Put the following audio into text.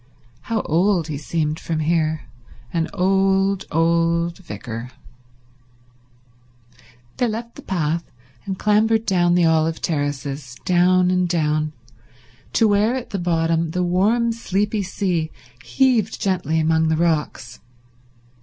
How old he seemed from here; an old, old vicar. They left the path, and clambered down the olive terraces, down and down, to where at the bottom the warm, sleepy sea heaved gently among the rocks.